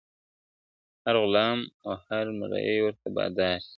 هر غلام او هر مریی ورته بادار سي !.